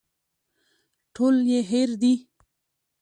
ټول يې هېر دي.